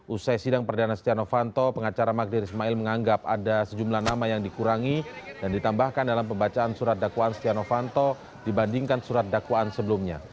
usai sidang perdana setia novanto pengacara magdir ismail menganggap ada sejumlah nama yang dikurangi dan ditambahkan dalam pembacaan surat dakwaan setia novanto dibandingkan surat dakwaan sebelumnya